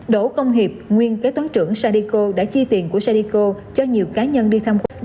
đỗ công hiệp nguyên kế toán trưởng sadiko đã chi tiền của sadiko cho nhiều cá nhân đi thăm quốc